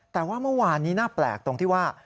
แต่ว่าเมื่อวานนี้น่าแปลกตรงที่ว่า